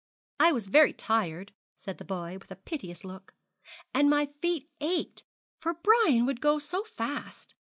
'I was very tired,' said the boy, with a piteous look, 'and my feet ached, for Brian would go so fast.